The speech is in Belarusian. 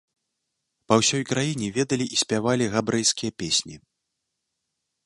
Па ўсёй краіне ведалі і спявалі габрэйскія песні.